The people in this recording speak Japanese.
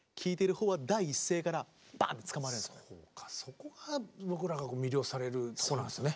そうかそこが僕らが魅了されるとこなんですね。